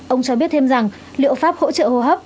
ông cho biết thêm rằng liệu pháp hỗ trợ hô hấp